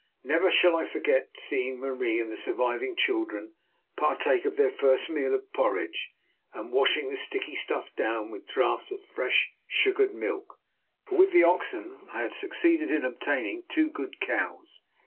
Never shall I forget seeing Marie and the surviving children partake of their first meal of porridge, and washing the sticky stuff down with draughts of fresh, sugared milk, for with the oxen I had succeeded in obtaining two good cows.